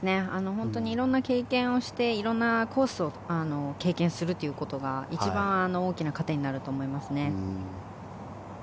本当に色んな経験をして色んなコースを経験するということが一番大きな糧になると思いますね。